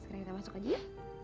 sekarang kita masuk aja ya